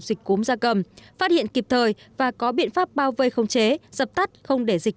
dịch cúm da cầm phát hiện kịp thời và có biện pháp bao vây không chế dập tắt không để dịch